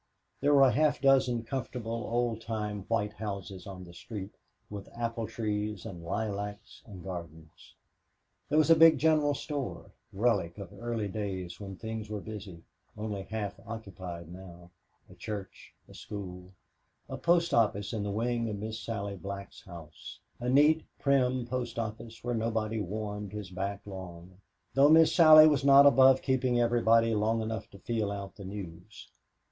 There were a half dozen, comfortable, old time, white houses on the street, with apple trees and lilacs and gardens. There was a big general store relic of early days when things were busy only half occupied now a church a school a post office in the wing of Miss Sally Black's house a neat, prim post office where nobody warmed his back long though Miss Sally was not above keeping everybody long enough to feel out the news.